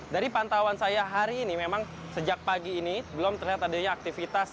dari pantauan saya hari ini memang sejak pagi ini belum terlihat adanya aktivitas